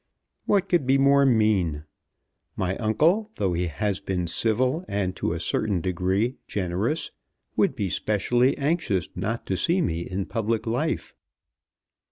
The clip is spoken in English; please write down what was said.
What could be more mean? My uncle, though he has been civil, and to a certain degree generous, would be specially anxious not to see me in public life.